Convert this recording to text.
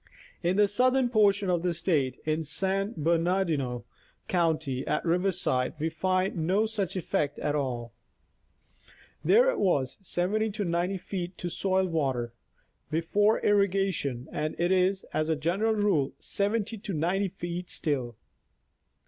In the southern portion of the State, in San Bernardino county, at Riverside, we find no such effect at all. There it was 70 to 90 feet to soil water before irrigation and it is, as a general rule, 70 to 90 feet still.